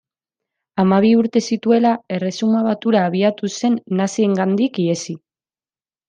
Hamabi urte zituela, Erresuma Batura abiatu zen naziengandik ihesi.